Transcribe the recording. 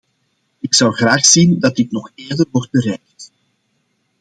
Ik zou graag zien dat dit nog eerder wordt bereikt.